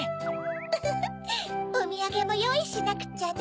フフフ。おみやげもよういしなくっちゃね。